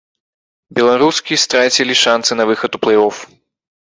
Беларускі страцілі шанцы на выхад у плэй-оф.